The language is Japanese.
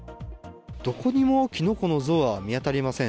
どこにもキノコの像は見当たりません。